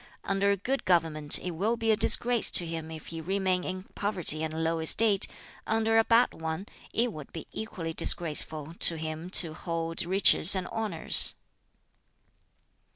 Under a good government it will be a disgrace to him if he remain in poverty and low estate; under a bad one, it would be equally disgraceful to him to hold riches and honors.